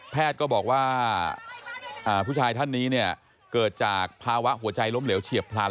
ก็บอกว่าผู้ชายท่านนี้เนี่ยเกิดจากภาวะหัวใจล้มเหลวเฉียบพลัน